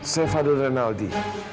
saya fadul renaldi